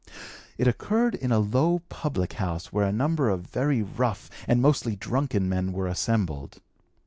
It occurred in a low public house where a number of very rough and mostly drunken men were assembled.